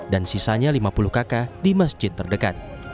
dan sisanya lima puluh kakak di masjid terdekat